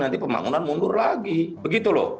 nanti pembangunan mundur lagi begitu loh